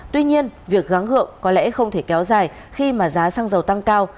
tuy nhiên việc gắng gượng có lẽ không thể kéo dài khi mà giá xăng dầu tăng cao